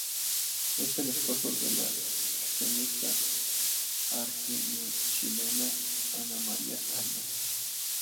Es el esposo de la extenista argentino-chilena Ana María Arias.